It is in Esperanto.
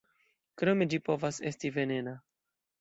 Krome ĝi povas esti venena.